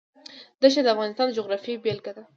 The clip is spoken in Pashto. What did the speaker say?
دښتې د افغانستان د جغرافیې بېلګه ده.